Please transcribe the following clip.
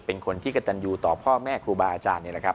เป็นคนที่กระตันยูต่อพ่อแม่ครูบาอาจารย์นี่แหละครับ